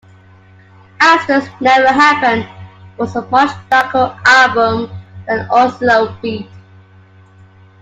"Accidents Never Happen" was a much darker album than "Oslo Beat".